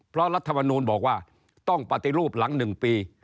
เพราะรัฐมนูลบอกว่าต้องปฏิรูปหลัง๑ปี